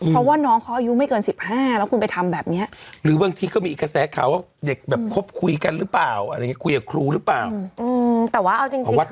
เพราะว่าน้องเขาอายุไม่เกิน๑๕แล้วคุณไปทำแบบนี้หรือบางทีก็มีอีกกระแสข่าวว่าเด็กแบบคบคุยกันหรือเปล่าอะไรอย่างนี้คุยกับครูหรือเปล่า